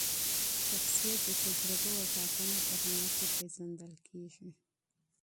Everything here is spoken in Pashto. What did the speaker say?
شخصیت د تجربو او ټاکنو په رڼا کي پیژندل کیږي.